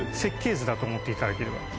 だと思っていただければ。